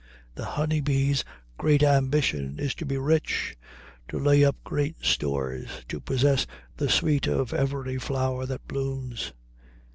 The honey bee's great ambition is to be rich, to lay up great stores, to possess the sweet of every flower that blooms.